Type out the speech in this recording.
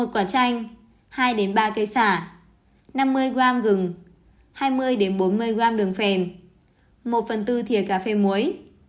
một quả chanh hai ba cây sả năm mươi g gừng hai mươi bốn mươi g đường phèn một phần tư thịa cà phê muối